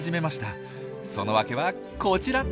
その訳はこちら。